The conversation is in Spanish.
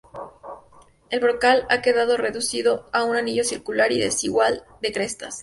El brocal ha quedado reducido a un anillo circular y desigual de crestas.